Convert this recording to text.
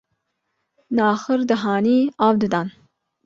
naxir dihanî av didan